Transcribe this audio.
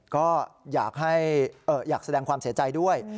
ก็อยากแสดงความเสียใจด้วย